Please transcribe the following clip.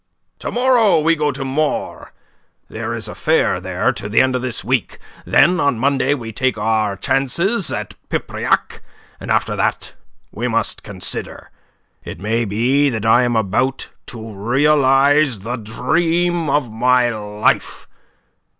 To morrow we go to Maure; there is a fair there to the end of this week. Then on Monday we take our chances at Pipriac, and after that we must consider. It may be that I am about to realize the dream of my life.